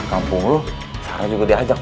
kampung lu sekarang juga diajak